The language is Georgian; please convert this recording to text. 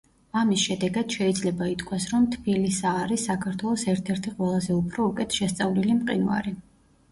ამის შედეგად შეიძლება ითქვას, რომ თბილისა არის საქართველოს ერთ-ერთი ყველაზე უფრო უკეთ შესწავლილი მყინვარი.